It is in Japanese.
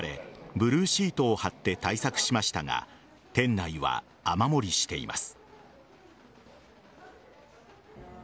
ブルーシートを張って対策しましたが店内は雨漏りしています。